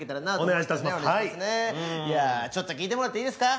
いやちょっと聞いてもらっていいですか。